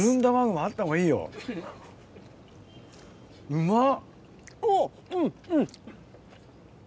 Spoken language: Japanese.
うまっ。